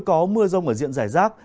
có mưa rông ở diện rẻ rác